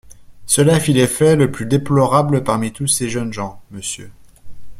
Cela fit l'effet le plus déplorable parmi tous ces jeunes gens, Monsieur!